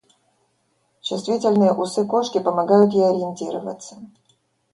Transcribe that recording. Чувствительные усы кошки помогают ей ориентироваться.